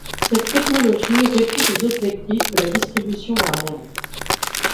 Cette technologie répond aux objectifs de la distribution variable.